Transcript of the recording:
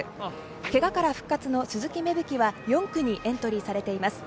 けがから復活の鈴木芽吹は４区にエントリーされています。